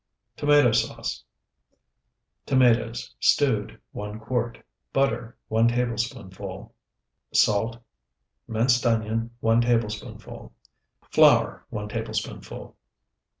TOMATO SAUCE Tomatoes, stewed, 1 quart. Butter, 1 tablespoonful. Salt. Minced onion, 1 tablespoonful. Flour, 1 tablespoonful.